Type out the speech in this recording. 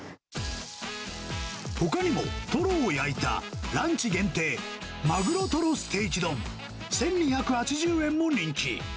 ほかにもトロを焼いたランチ限定、鮪トロステーキ丼１２８０円も人気。